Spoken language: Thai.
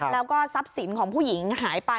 แล้วก็ทรัพย์สินของผู้หญิงหายไป